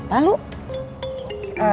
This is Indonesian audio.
siapa yang mau coba